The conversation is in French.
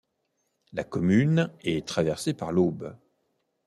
La commune est traversée par l'Aube.